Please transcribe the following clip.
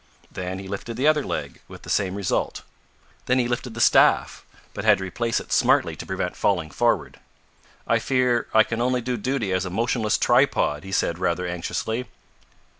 Then he lifted the other leg with the same result. Then he lifted the staff, but had to replace it smartly to prevent falling forward. "I fear I can only do duty as a motionless tripod," he said rather anxiously.